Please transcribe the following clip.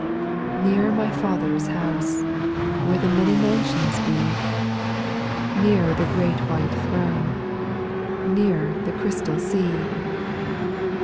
2. Nearer my Father's house, Where the many mansions be ; Nearer the great white throne ; Nearer the crystal sea.